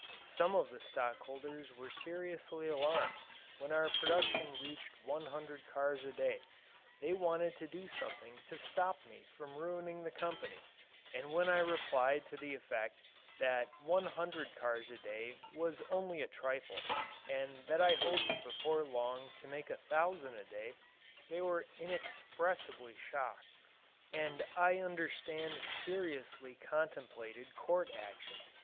Some of the stockholders were seriously alarmed when our production reached one hundred cars a day. They wanted to do something to stop me from ruining the company, and when I replied to the effect that one hundred cars a day was only a trifle and that I hoped before long to make a thousand a day, they were inexpressibly shocked and I understand seriously contemplated court action.